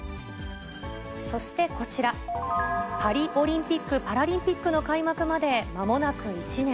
そしてこちら、パリオリンピック・パラリンピックの開幕までまもなく１年。